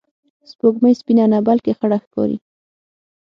سپوږمۍ سپینه نه، بلکې خړه ښکاري